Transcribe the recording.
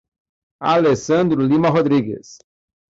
Alessandro Lima Rodrigues